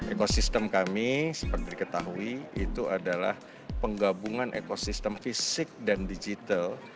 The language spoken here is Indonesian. ekosistem kami seperti ketahui itu adalah penggabungan ekosistem fisik dan digital